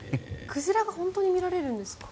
鯨が本当に見られるんですか。